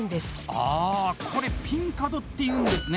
あ、これ「ピン角」っていうんですね！